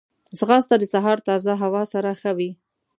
ځغاسته د سهار تازه هوا سره ښه وي